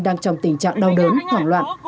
đang trong tình trạng đau đớn hoảng loạn